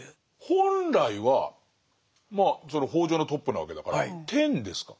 本来はまあ北条のトップなわけだから天ですか？